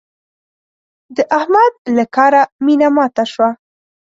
د احمد له کاره مينه ماته شوه.